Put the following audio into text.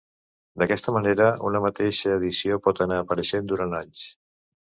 D'aquesta manera, una mateixa edició pot anar apareixent durant anys.